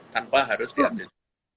tanpa harus diakses